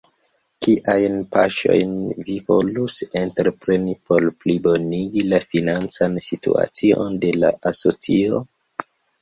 Kiajn paŝojn vi volus entrepreni por plibonigi la financan situacion de la asocio?